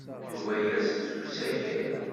Yuba yers-d seg usakal.